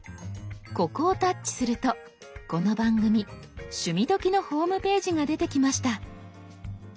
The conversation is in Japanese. ここをタッチするとこの番組「趣味どきっ！」のホームページが出てきました。